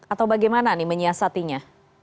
atau bagaimana nih menyiasatinya